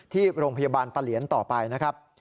ที่โรงพยาบาลปะเหลียนต่อไปนะครับ